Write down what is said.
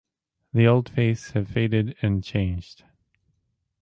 The old faiths have faded and changed.